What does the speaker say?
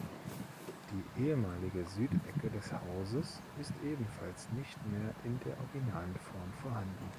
Die ehemalige Südecke des Hauses ist ebenfalls nicht mehr in der originalen Form vorhanden.